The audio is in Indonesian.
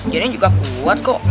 johnny juga kuat kok